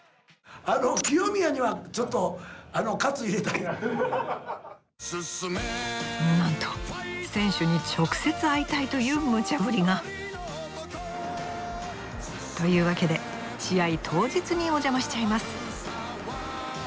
清宮にはちょっとなんと選手に直接会いたいというムチャぶりが。というわけで試合当日にお邪魔しちゃいます。